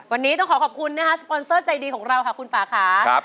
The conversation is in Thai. วันนี้ต้องขอขอบคุณนะคะสปอนเซอร์ใจดีของเราค่ะคุณป่าค่ะ